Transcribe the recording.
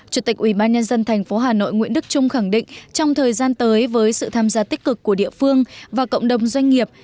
chủ tịch ubnd tp hà nội nguyễn đức trung khẳng định trong thời gian tới với sự tham gia tích cực của địa phương và cộng đồng doanh nghiệp